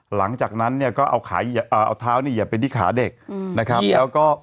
หลังจากนั้นเนี่ยก็เอาเท้านี่ไปดิขาเด็ก